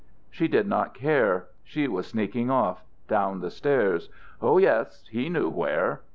She did not care. She was sneaking off down the stairs Oh, yes, he knew where.